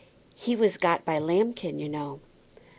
He was got by Lambkin, you know."